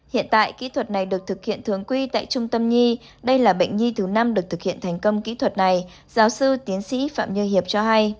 hiện tại kỹ thuật này được thực hiện thường quy tại trung tâm nhi đây là bệnh nhi thứ năm được thực hiện thành công kỹ thuật này giáo sư tiến sĩ phạm như hiệp cho hay